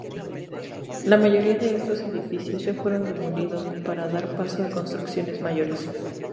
La mayoría de estos edificios ya fueron demolidos para dar paso a construcciones mayores.